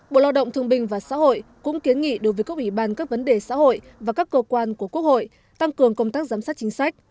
bộ lao động thương binh và xã hội cũng kiến nghị đối với các ủy ban các vấn đề xã hội và các cơ quan của quốc hội tăng cường công tác giám sát chính sách